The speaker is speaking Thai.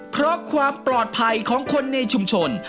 เพราะความปลอดภัยของคนในชุมชน